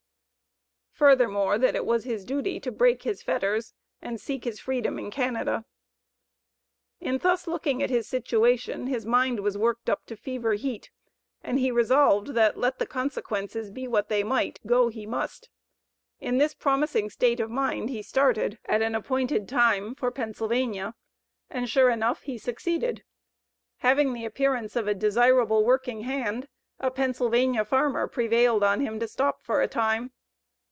Furthermore, that it was his duty to break his fetters and seek his freedom in Canada. In thus looking at his situation, his mind was worked up to fever heat, and he resolved that, let the consequences be what they might, go he must. In this promising state of mind he started, at an appointed time, for Pennsylvania, and, sure enough, he succeeded. Having the appearance of a desirable working hand, a Pennsylvania farmer prevailed on him to stop for a time.